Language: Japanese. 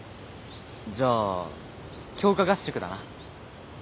じゃあ強化合宿だな。